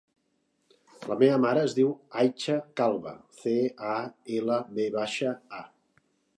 La meva mare es diu Aicha Calva: ce, a, ela, ve baixa, a.